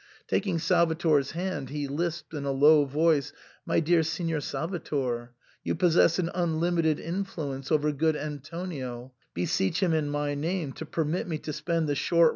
Taking Salvator's hand he lisped in a low voice, "My dear Signor Salvator, you possess an i^nlimited influence over good Antonio ; beseech him in my name to permit me to spend the short.